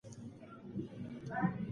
د میرویس عقل تر ټولو وزیرانو ډېر و.